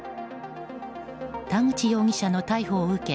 田口容疑者の逮捕を受け